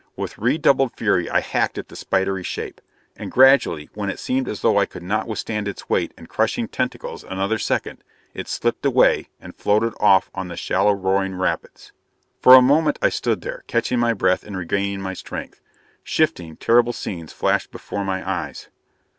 With redoubled fury I hacked at the spidery shape. And gradually, when it seemed as though I could not withstand its weight and crushing tentacles another second, it slipped away and floated off on the shallow, roaring rapids. For a moment I stood there, catching my breath and regaining my strength. Shifting, terrible scenes flashed before my eyes.